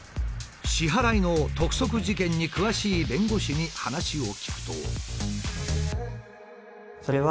支払いの督促事件に詳しい弁護士に話を聞くと。